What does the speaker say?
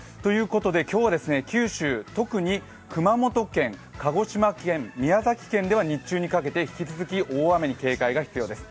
今日は九州、特に熊本県、鹿児島県、宮崎県では日中にかけて引き続き大雨に警戒が必要です。